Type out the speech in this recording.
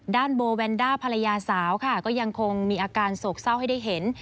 โบแวนด้าภรรยาสาวค่ะก็ยังคงมีอาการโศกเศร้าให้ได้เห็น